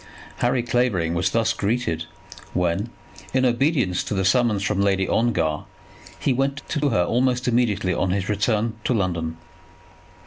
Harry Clavering was thus greeted when in obedience to the summons from Lady Ongar, he went to her almost immediately on his return to London.